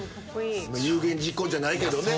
有言実行じゃないけどね。